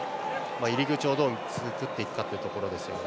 入り口をどう作っていくかというところですね。